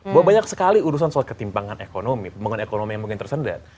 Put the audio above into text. bahwa banyak sekali urusan soal ketimpangan ekonomi pembangunan ekonomi yang mungkin tersendat